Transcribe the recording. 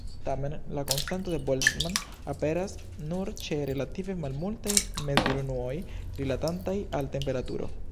Tamen la konstanto de Boltzmann aperas nur ĉe relative malmultaj mezurunuoj rilatantaj al temperaturo.